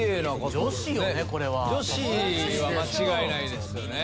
女子は間違いないですよね。